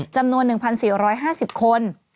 จำนวน๑๔๕๐คน